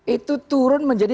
itu turun menjadi